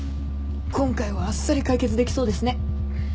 今回はあっさり解決できそうですね。